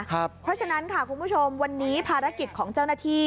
เพราะฉะนั้นค่ะคุณผู้ชมวันนี้ภารกิจของเจ้าหน้าที่